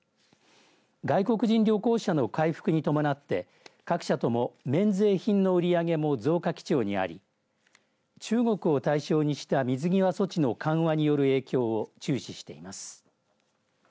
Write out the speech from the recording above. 外国人旅行者の回復に伴って各社とも免税品の売り上げも増加基調にあり中国を対象にした水際措置の緩和による影響を注視しています。